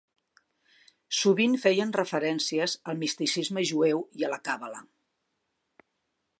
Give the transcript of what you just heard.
Sovint feien referències al misticisme jueu i a la càbala.